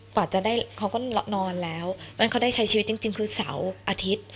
กว่าจะได้เขาก็นอนแล้วเพราะฉะนั้นเขาได้ใช้ชีวิตจริงคือเสาร์อาทิตย์